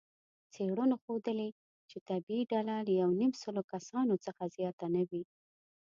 څېړنو ښودلې، چې طبیعي ډله له یونیمسلو کسانو څخه زیاته نه وي.